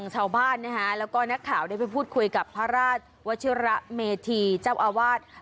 ชาวบ้านนะฮะแล้วก็นักข่าวได้ไปพูดคุยกับพระราชวัชิระเมธีเจ้าอาวาส